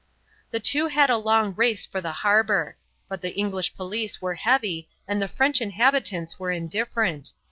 The two had a long race for the harbour; but the English police were heavy and the French inhabitants were indifferent.